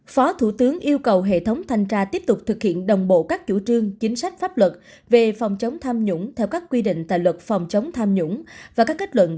phó thủ tướng yêu cầu hệ thống thanh tra tiếp tục thực hiện đồng bộ các chủ trương chính sách pháp luật về phòng chống tham nhũng theo các quy định tại luật phòng chống tham nhũng và các kết luận